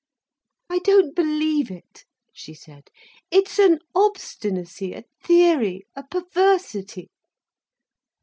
"I don't believe it," she said. "It's an obstinacy, a theory, a perversity."